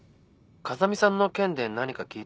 風見さんの件で何か聞いてる？